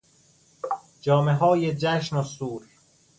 جامههای جشن و سور